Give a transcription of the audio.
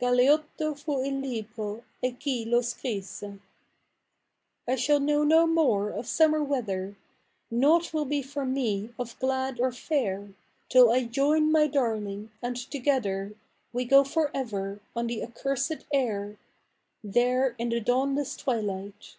Galeotto fu il libro, e chi lo scrisse. I shall know no more of sumvier weather, Noiight will be for me of glad or fair. Till I join my darling, and together We go for ever on the accursed air,^ There in the dawnless twilight.